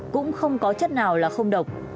cũng không có chất nào là không độc